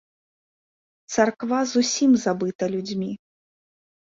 Царква зусім забыта людзьмі.